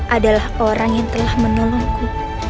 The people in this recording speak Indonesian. adalah orang yang telah menolongku